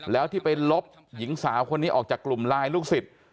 แล้วที่ไปลบหญิงสาวคนนี้ออกจากกลุ่มไลน์ลูกศิษย์